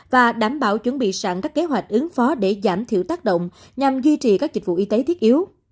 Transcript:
và đảm bảo chuẩn bị sẵn các kế hoạch ứng phó để giảm thiểu tác động nhằm duy trì các dịch vụ y tế thiết yếu